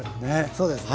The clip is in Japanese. そうですね